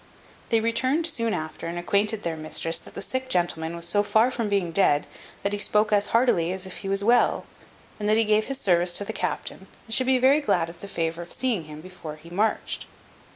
They returned soon after, and acquainted their mistress, that the sick gentleman was so far from being dead, that he spoke as heartily as if he was well; and that he gave his service to the captain, and should be very glad of the favour of seeing him before he marched.